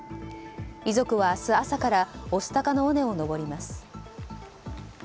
遺族は明日朝から御巣鷹の尾根を登ります。